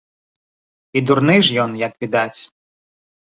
І дурны ж ён, як відаць.